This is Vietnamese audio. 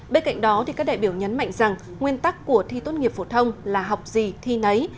bên cạnh đó các đại biểu nhấn mạnh rằng nguyên tắc của thi tốt nghiệp phổ thông là học gì thi nấy